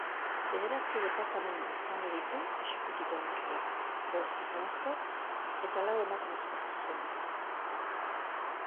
Bederatzi departamendu izango ditu exekutibo berriak, bost gizonezkok eta lau emakumezkok zuzenduta.